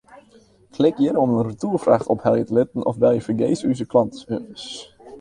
Klik hjir om in retoerfracht ophelje te litten of belje fergees ús klanteservice.